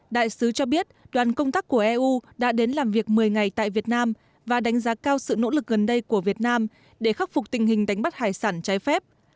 đại sứ cho biết đoàn công tác của eu đã đến làm việc một mươi ngày tại việt nam và đánh giá cao sự nỗ lực gần đây của việt nam để khắc phục tình hình đánh bắt hải sản trái phép